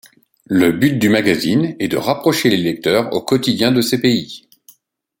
Le but du magazine est de rapprocher les lecteurs au quotidien de ces pays.